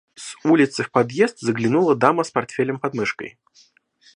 С улицы в подъезд заглянула дама с портфелем подмышкой.